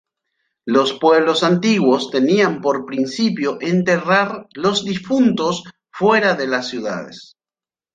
Los pueblos antiguos tenían por principio enterrar los difuntos fuera de las ciudades.